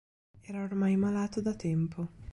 Era ormai malato da tempo.